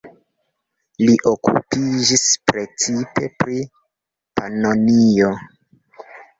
Li okupiĝis precipe pri Panonio.